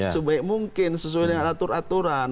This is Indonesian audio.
sebaik mungkin sesuai dengan aturan aturan